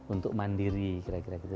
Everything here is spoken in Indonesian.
untuk mandiri kira kira gitu